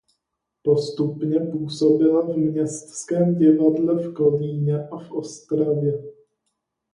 Postupně působila v Městském divadle v Kolíně a v Ostravě.